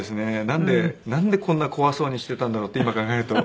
なんでなんでこんな怖そうにしてたんだろうって今考えると。